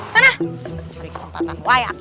sana cari kesempatan woy aki aki